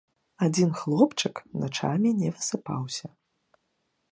Адзін хлопчык начамі не высыпаўся.